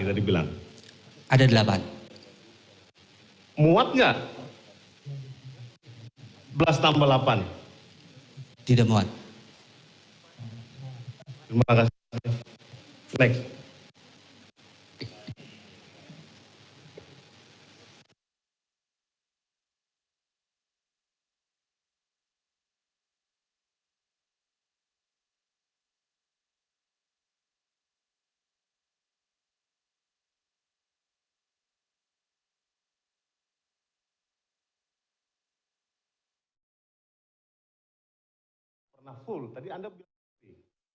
tadi anda bilang sendiri